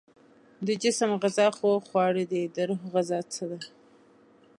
د جسم غذا خو خواړه دي، د روح غذا څه ده؟